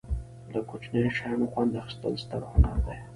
له کوچنیو شیانو خوند اخستل ستر هنر دی.